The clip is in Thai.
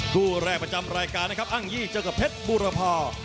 คู่แรกประจำรายการนะครับอ้างยี่เจอกับเพชรบูรพา